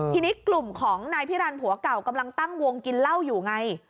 ทีนี้กลุ่มของนายพิรันผัวเก่ากำลังตั้งวงกินเหล้าอยู่ไง